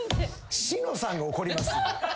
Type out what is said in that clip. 志乃さんが怒ります。